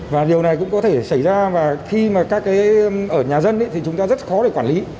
và điều này cũng có thể xảy ra và khi mà các cái ở nhà dân thì chúng ta rất khó để quản lý